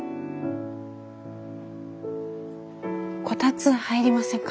こたつ入りませんか？